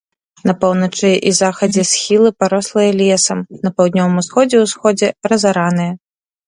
На поўначы і захадзе схілы парослыя лесам, на паўднёвым усходзе і ўсходзе разараныя.